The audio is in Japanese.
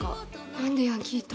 何でヤンキーと？